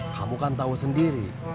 kamu kan tau sendiri